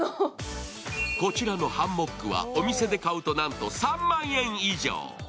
こちらのハンモックは、お店で買うと、なんと３万円以上。